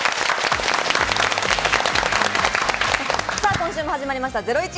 今週も始まりました『ゼロイチ』。